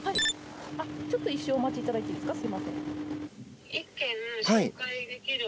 ちょっと一瞬お待ちいただいていいですか。